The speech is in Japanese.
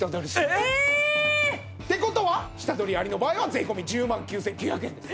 ええっ！？って事は下取りありの場合は税込１０万９９００円です。